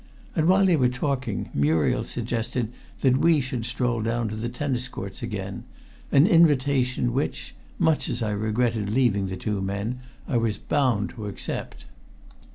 And while they were talking Muriel suggested that we should stroll down to the tennis courts again, an invitation which, much as I regretted leaving the two men, I was bound to accept.